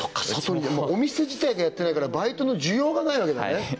そうかお店自体がやってないからバイトの需要がないわけだね